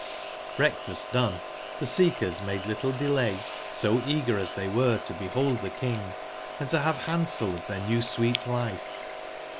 Breakfast done, tbeseekersmade little delay^soeager astbey were to bebold tbe King, and to bave bandsel of tbeir new sweet life.